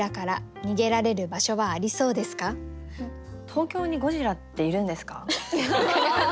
東京にゴジラっているんですか？